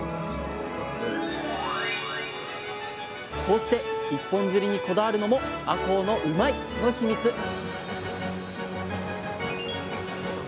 こうして一本釣りにこだわるのもあこうのうまいッ！のヒミツへ。